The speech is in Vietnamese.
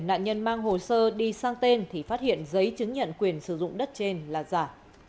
nạn nhân mang hồ sơ đi sang tên thì phát hiện giấy chứng nhận quyền sử dụng đất trên là giả